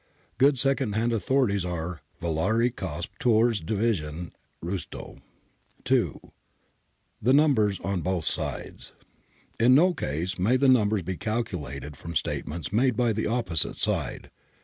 Good second hand authorities are Villari, Cosp. ; Tiirr's Div. ; Riistow. II The Numbers on Both Sides. — In no case may the numbers be calculated from statements made by the opposite side.